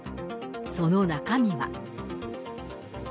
その中身は。